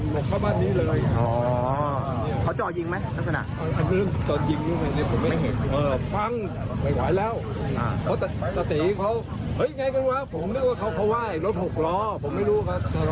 ลองรอติดต่อประติผมเลือกตะตีเขาด่ารถ๖ล้อ